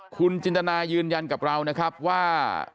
คุณจินตนายืนยันกับเรานะครับว่า